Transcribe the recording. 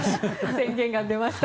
宣言が出ました。